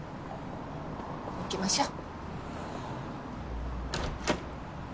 行きましょう。